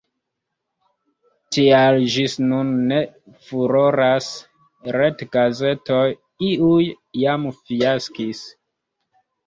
Tial ĝis nun ne furoras retgazetoj, iuj jam fiaskis.